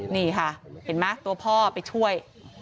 นี่ค่ะเห็นไหมตัวพ่อไปช่วย